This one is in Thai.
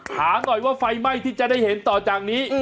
ถามหน่อยว่าไฟไหม้ที่จะได้เห็นต่อจากนี้